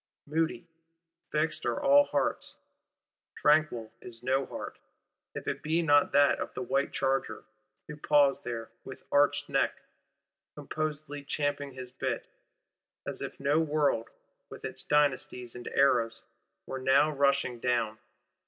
Moody, fixed are all hearts: tranquil is no heart,—if it be not that of the white charger, who paws there, with arched neck, composedly champing his bit; as if no world, with its Dynasties and Eras, were now rushing down.